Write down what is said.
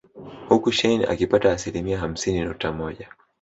Huku shein akiapta asilimia hamsini nukta moja